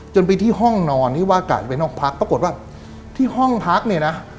จนไปที่ห้องนอนที่ว่ากะจะเป็นห้องพักปรากฏว่าที่ห้องพักเนี่ยนะ